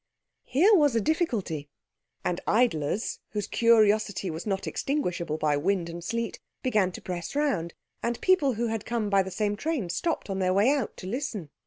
Here was a difficulty. And idlers, whose curiosity was not extinguishable by wind and sleet, began to press round, and people who had come by the same train stopped on their way out to listen.